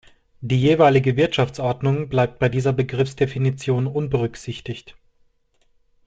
Die jeweilige Wirtschaftsordnung bleibt bei dieser Begriffsdefinition unberücksichtigt.